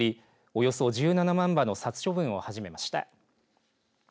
およそ１７万羽の殺処分を始めました。